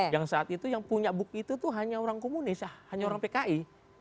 yang saat itu yang punya buku itu hanya orang komunis hanya orang pki